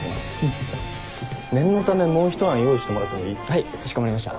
はいかしこまりました。